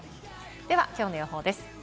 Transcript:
では、きょうの予報です。